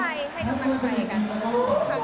คงไม่ต้องบอกนะคะวันถี่คณะไหน